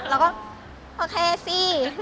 แล้วก็โอเคสิ